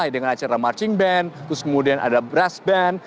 dengan acara marching band terus kemudian ada brush band